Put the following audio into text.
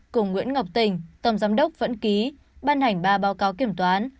cùng nguyễn ngọc tình tổng giám đốc vẫn ký ban hành ba báo cáo kiểm toán